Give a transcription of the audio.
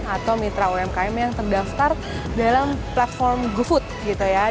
atau mitra umkm yang terdaftar dalam platform gofood